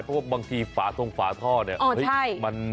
เพราะว่าบางทีฝาทงฝาท่อเนี่ย